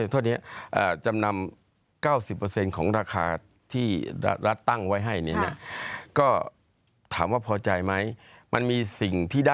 โทษนะทีนี้จำนำ๙๐ของราคาที่รัฐตั้งไว้ให้